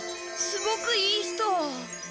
すごくいい人。